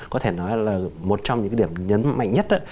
có thể nói là một trong những điểm nhấn mạnh nhất đó